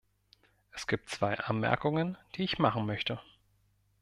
Es gibt zwei Anmerkungen, die ich machen möchte.